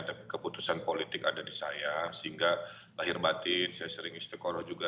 tapi keputusan politik ada di saya sehingga lahir batin saya sering istiqoroh juga